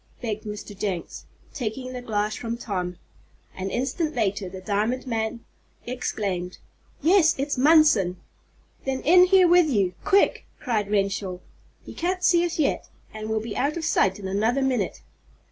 begged Mr. Jenks, taking the glass from Tom. An instant later the diamond man exclaimed: "Yes, it's Munson!" "Then in here with you quick!" cried Renshaw. "He can't see us yet, and we'll be out of sight in another minute."